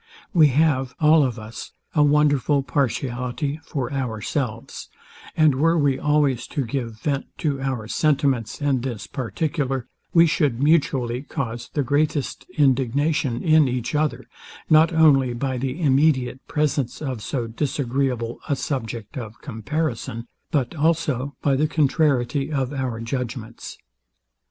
We have, all of us, a wonderful partiality for ourselves, and were we always to give vent to our sentiments in this particular, we should mutually cause the greatest indignation in each other, not only by the immediate presence of so disagreeable a subject of comparison, but also by the contrariety of our judgments.